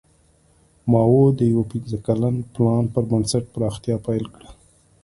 ماوو د یو پنځه کلن پلان پر بنسټ پراختیا پیل کړه.